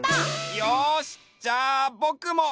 よしじゃあぼくも！